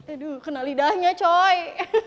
aduh kena lidahnya coy